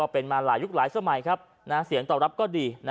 เป็นมาหลายยุคหลายสมัยครับเสียงตอบรับก็ดี